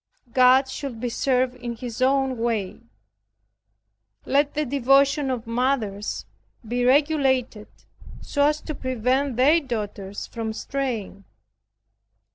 God should be served in His own way. Let the devotion of mothers be regulated so as to prevent their daughters from straying.